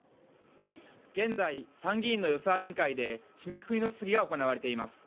現在、参議院の予算委員会で締めくくりの質疑が行われています。